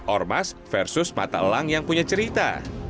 ormas versus mata elang yang punya cerita